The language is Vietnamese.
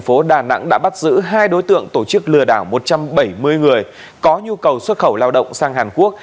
hình sự công an tp đà nẵng đã bắt giữ hai đối tượng tổ chức lừa đảo một trăm bảy mươi người có nhu cầu xuất khẩu lao động sang hàn quốc